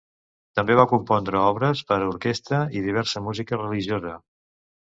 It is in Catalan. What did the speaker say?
També va compondre obres per a orquestra i diversa música religiosa.